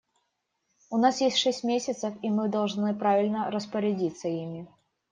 У нас есть шесть месяцев, и мы должны правильно распорядиться ими.